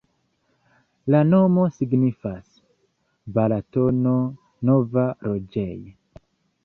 La nomo signifas: Balatono-nova-loĝej'.